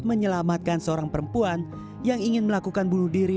menyelamatkan seorang perempuan yang ingin melakukan bunuh diri